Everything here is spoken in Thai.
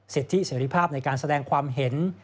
เศรษฐีเสร็จภาพในการแสดงความเห็น